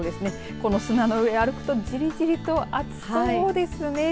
この砂の上歩くとじりじりと暑そうですね。